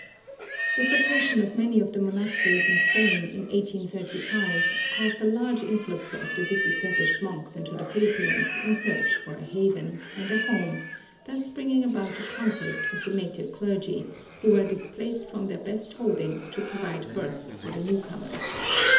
The suppression of many of the monasteries in Spain in 1835 caused a large influx of the disestablished monks into the Philippines in search for a haven, and a home, thus bringing about a conflict with the native clergy, who were displaced from their best holdings to provide berths for the newcomers.